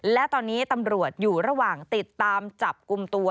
และตอนนี้ตำรวจอยู่ระหว่างติดตามจับกลุ่มตัว